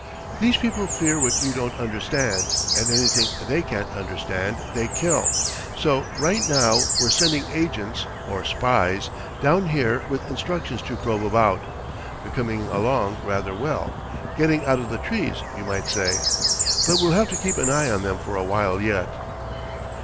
These people fear what they don't understand, and anything they can't understand they kill. So, right now, we're sending agents, or spies, down here with instructions to probe about. They're coming along rather well, getting out of the trees, you might say; but we'll have to keep an eye on them for awhile yet."